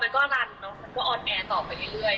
แล้วพอมันก็รันมันก็ออนแอร์ต่อไปเรื่อย